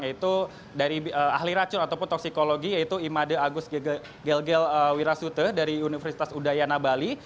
yaitu dari ahli racun ataupun toksikologi yaitu imade agus gel gel wirasute dari universitas udayana bali